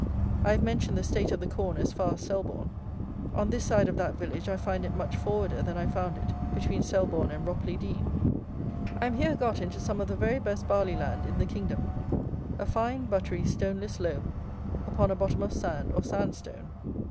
I have mentioned the state of the corn as far as Selborne. On this side of that village I find it much forwarder than I found it between Selborne and Ropley Dean. I am here got into some of the very best barley land in the kingdom; a fine, buttery, stoneless loam, upon a bottom of sand or sand stone.